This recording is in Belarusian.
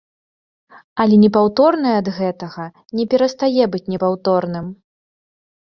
Але непаўторнае ад гэтага не перастае быць непаўторным.